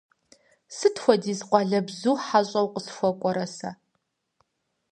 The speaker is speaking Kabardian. Сыт хуэдиз къуалэбзу хьэщӀэу къысхуэкӀуэрэ сэ!